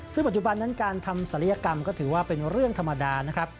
ซึ่งปัจจุบันนั้นการทำศัลยกรรมก็ถือว่าเป็นเรื่องธรรมดานะครับ